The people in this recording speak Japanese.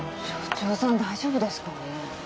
署長さん大丈夫ですかね？